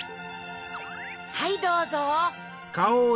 はいどうぞ。